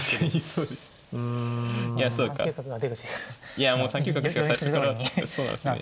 いやもう３九角しか最初からそうなんですよね